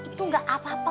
itu enggak apa apa